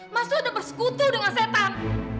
mas tuh udah bersekutu dengan setan